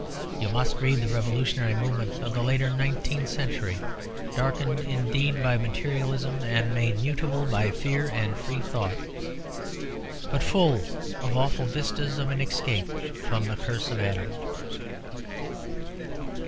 You must read the revolutionary movement of the later nineteenth century, darkened indeed by materialism and made mutable by fear and free thought, but full of awful vistas of an escape from the curse of Adam.